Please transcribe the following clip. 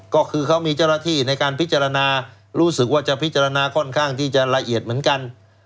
ก็คือเขามีเจ้าหน้าที่ในการพิจารณารู้สึกว่าจะพิจารณาค่อนข้างที่จะละเอียดเหมือนกัน